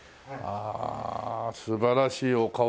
ああ素晴らしいお顔ですね。